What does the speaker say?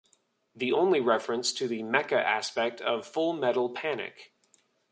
The only reference to the mecha aspect of Full Metal Panic!